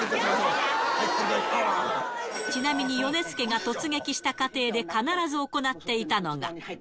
ちなみに、ヨネスケが突撃した家庭で必ず行っていたのが。